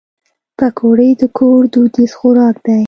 پکورې د کور دودیز خوراک دی